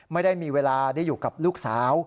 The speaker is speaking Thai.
ไม่ได้มีเวลาได้อยู่กับลูกสาว